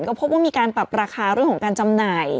ก็พบว่ามีการปรับราคาเรื่องของการจำหน่าย